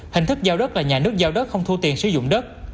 hình thức giao đất là nhà nước giao đất không thu tiền sử dụng đất